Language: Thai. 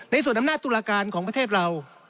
ส่วนอำนาจตุลาการของประเทศเรา